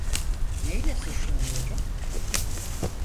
Neyle suçlanıyorum?